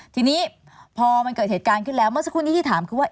ทีนี้พอมันเกิดเหตุการณ์ขึ้นแล้วเมื่อสักครู่นี้ที่ถามคือว่า